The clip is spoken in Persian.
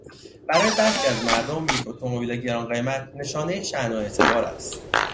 برای برخی از مردمیک اتومبیل گرانقیمت نشانهی شان و اعتبار است.